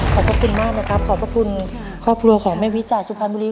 ขอบพระคุณมากนะครับขอบพระคุณครอบครัวของแม่วิจารณสุพรรณบุรี